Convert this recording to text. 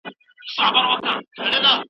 ښه ژوول عادت کړه